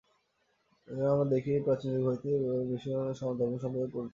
এই কারণে আমরা দেখি, প্রাচীনতম যুগ হইতেই ভারতবর্ষ বিভিন্ন ধর্ম-সম্প্রদায়ে পরিপূর্ণ।